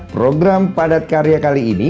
program padat karya kali ini